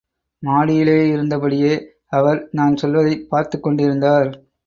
மாடியிலிருந்தபடியே அவர் நான் செல்வதைப் பார்த்துக்கொண்டிருந்தார்.